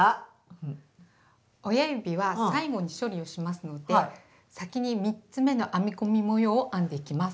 親指は最後に処理をしますので先に３つめの編み込み模様を編んでいきます。